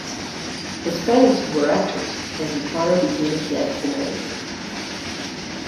His parents were actors, and his father became a theatrical manager.